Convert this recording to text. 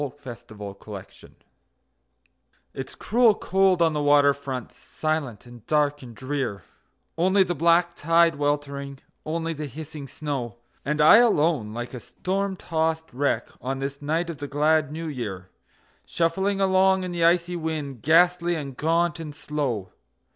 New Year's Eve It's cruel cold on the water front, silent and dark and drear; Only the black tide weltering, only the hissing snow; And I, alone, like a storm tossed wreck, on this night of the glad New Year, Shuffling along in the icy wind, ghastly and gaunt and slow.